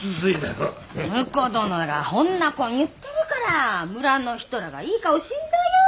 婿殿がほんなこん言ってるから村の人らがいい顔しんだよ！